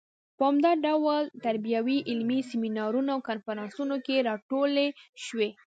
په عمده ډول تربیوي علمي سیمینارونو او کنفرانسونو کې راټولې شوې.